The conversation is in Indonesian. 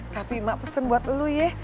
tapi ma pesen buat lo ya